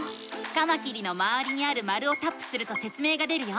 カマキリのまわりにある丸をタップするとせつ明が出るよ。